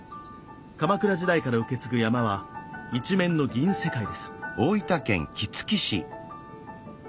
鎌倉時代から受け継ぐ山は一面の銀世界です。